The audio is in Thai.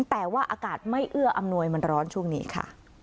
แต่ว่าอากาศไม่เอื้ออำนวยมันร้อนช่วงนี้ค่ะ